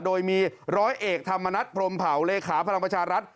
โดยมีร้อยเอกธรรมนัฐพรมเผาเลขาพลังประชารัฐ